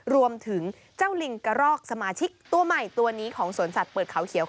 รวมถึงเจ้าลิงกระรอกสมาชิกตัวใหม่ตัวนี้ของสวนสัตว์เปิดเขาเขียว